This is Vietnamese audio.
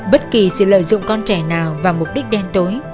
bất kỳ sự lợi dụng con trẻ nào và mục đích đen tối